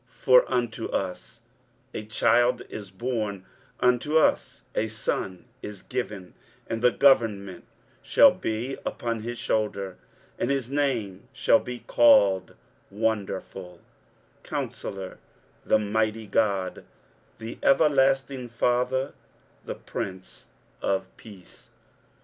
23:009:006 For unto us a child is born, unto us a son is given: and the government shall be upon his shoulder: and his name shall be called Wonderful, Counsellor, The mighty God, The everlasting Father, The Prince of Peace.